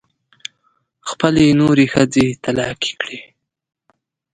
خپلې نورې ښځې طلاقې کړې.